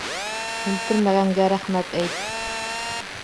Үлтермәгәнгә рәхмәт әйт.